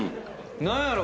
何やろ？